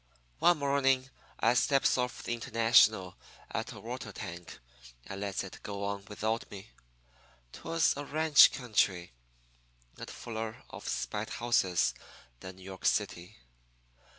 "One morning I steps off the International at a water tank and lets it go on without me. 'Twas a ranch country, and fuller of spite houses than New York City.